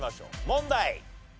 問題。